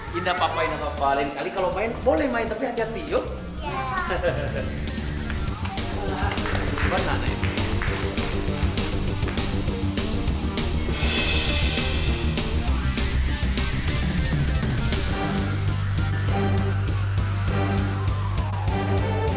kita papa ini paling kali kalau main boleh main tapi hati hati yuk